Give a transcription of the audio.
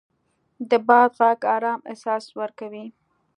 د باد غږ ارام احساس ورکوي